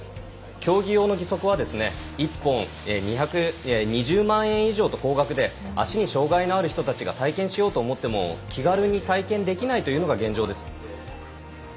競技用の義足はですね１本２０万円以上と高額で足に障がいのある人たちが体験しようと思っても気軽に体験できないというのが現状です。